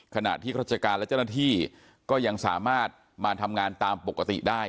ขณะที่ราชการและเจ้าหน้าที่ก็ยังสามารถมาทำงานตามปกติได้